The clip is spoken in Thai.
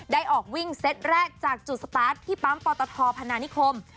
ออกวิ่งเซตแรกจากจุดสตาร์ทที่ปั๊มปอตทพนานิคม